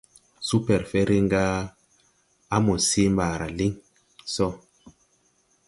Supɛrfɛ riŋ ra ga a mo see ɓaara liŋ sɔ.